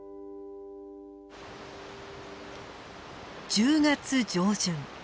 １０月上旬。